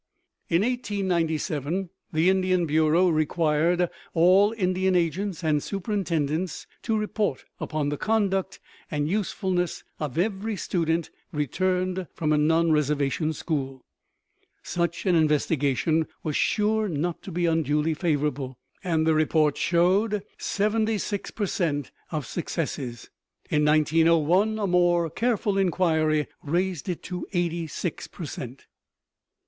In 1897 the Indian Bureau required all Indian agents and superintendents to report upon the conduct and usefulness of every student returned from a non reservation school. Such an investigation was sure not to be unduly favorable, and the report showed 76 per cent. of successes. In 1901 a more careful inquiry raised it to 86 per cent.